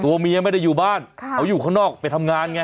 เมียไม่ได้อยู่บ้านเขาอยู่ข้างนอกไปทำงานไง